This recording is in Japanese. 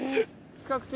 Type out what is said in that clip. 比較的。